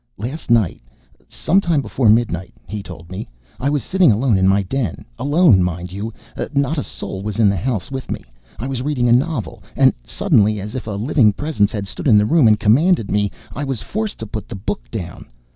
"Last night, some time before midnight," he told me, "I was sitting alone in my den. Alone, mind you not a soul was in the house with me. I was reading a novel; and suddenly, as if a living presence had stood in the room and commanded me, I was forced to put the book down.